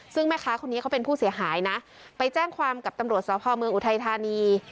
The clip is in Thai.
ซึ่งแม่ค้าคนนี้เขาเป็นผู้เสียหายนะไปแจ้งความกับตำรวจสพเมืองอุทัยธานี